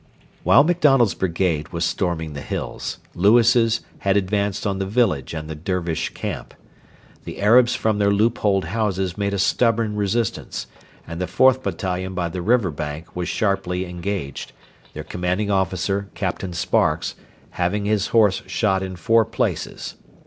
While MacDonald's brigade was storming the hills, Lewis's had advanced on the village and the Dervish camp. The Arabs from their loopholed houses made a stubborn resistance, and the 4th battalion by the river bank were sharply engaged, their commanding officer, Captain Sparkes, having his horse shot in four places.